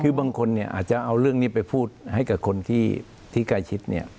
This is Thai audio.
คือบางคนเนี่ยอาจจะเอาเรื่องนี้ไปพูดให้กับคนที่ใกล้ชิดเนี่ย